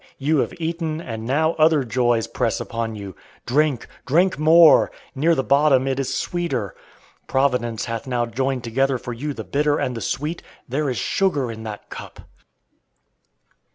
you have eaten, and now other joys press upon you. Drink! drink more! Near the bottom it is sweeter. Providence hath now joined together for you the bitter and the sweet, there is sugar in that cup!